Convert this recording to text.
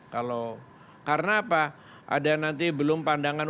kalau karena apa ada nanti belum pandangan